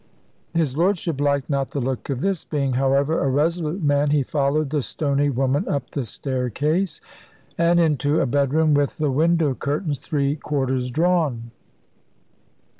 His Lordship liked not the look of this; being, however, a resolute man, he followed the stony woman up the staircase, and into a bedroom with the window curtains three quarters drawn.